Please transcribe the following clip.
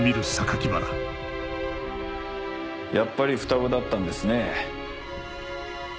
やっぱり双子だったんですね。